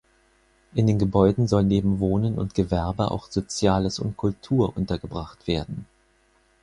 In den Gebäuden soll neben Wohnen und Gewerbe auch Soziales und Kultur untergebracht werden.